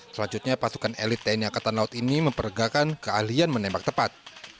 selanjutnya pasukan elit tni angkatan laut ini mempergakan keahlian menembak tepat